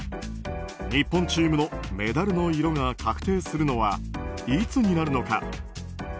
日本チームのメダルの色が確定するのは、いつになるのか。